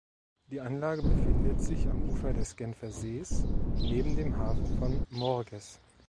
Die Anlage befindet sich am Ufer des Genfersees neben dem Hafen von Morges.